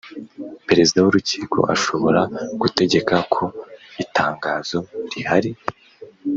Perezida w Urukiko ashobora gutegeka ko itangazo rihari